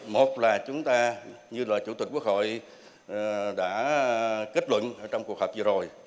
một là chúng ta như là chủ tịch quốc hội đã kết luận trong cuộc họp vừa rồi